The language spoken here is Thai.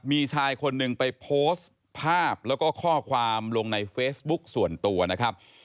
มีชายคนหนึ่งไปโพสต์ภาพแล้วก็ข้อความลงในเฟซบุ๊กส่วนตัวนะครับ